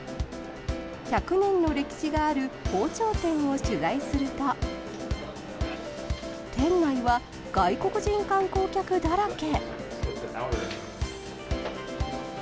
１００年の歴史がある包丁店を取材すると店内は外国人観光客だらけ。